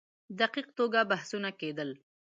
دقیق توګه بحثونه کېدل.